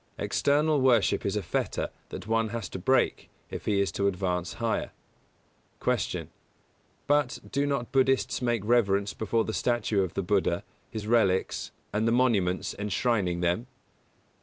External worship is a fetter that one has to break if he is to advance higher. 180. Q. _But, do not Buddhists make reverence before the statue of the Buddha, his relics, and the monuments enshrining them?